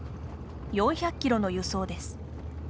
４００キロの輸送です。